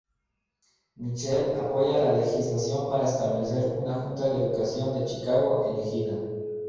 Mitchell apoya la legislación para establecer una Junta de Educación de Chicago elegida.